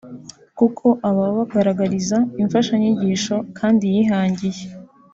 kuko aba abagaragariza imfasha nyigisho kandi yihangiye